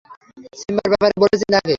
সিম্বার ব্যাপারে বলেছি তাকে।